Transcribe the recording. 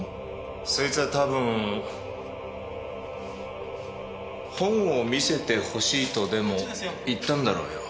そいつは多分「本を見せてほしい」とでも言ったんだろうよ。